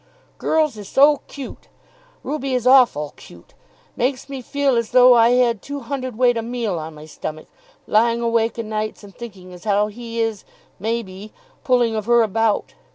"Girls is so 'cute. Ruby is awful 'cute. It makes me feel as though I had two hun'erd weight o' meal on my stomach, lying awake o' nights and thinking as how he is, may be, pulling of her about!